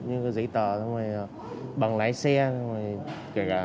những cái giấy tờ bằng lái xe kể cả rút thẻ ngân hàng